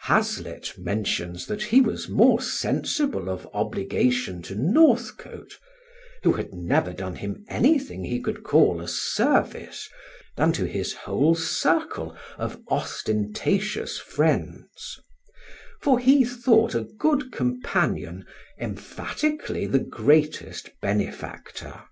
Hazlitt mentions that he was more sensible of obligation to Northcote, who had never done him anything he could call a service, than to his whole circle of ostentatious friends; for he thought a good companion emphatically the greatest benefactor.